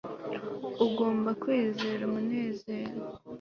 ugomba kwizera umunezero